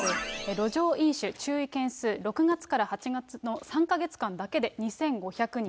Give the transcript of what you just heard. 路上飲酒、注意件数６月から８月の３か月間だけで２５００人。